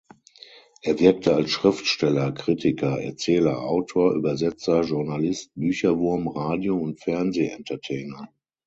Er wirkte als Schriftsteller, Kritiker, Erzähler, Autor, Übersetzer, Journalist, Bücherwurm, Radio- und Fernseh-Entertainer.